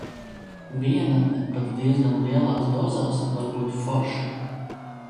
Vienatne pat diezgan lielās dozās var būt forša.